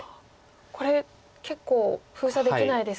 これ結構封鎖できないですか。